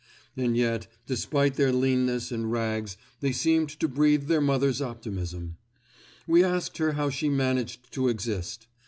And yet, despite their leanness and rags they seemed to breathe their mother's optimism. We asked her how she managed to exist.